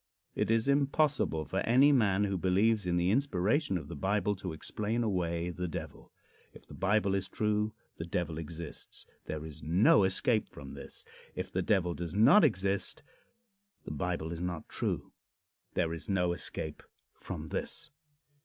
It is impossible for any man who believes in the inspiration of the Bible to explain away the Devil. If the Bible is true the Devil exists. There is no escape from this. If the Devil does not exist the Bible is not true. There is no escape from this.